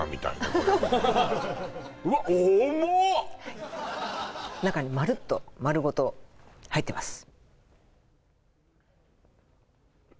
これうわっ中にまるっと丸ごと入ってます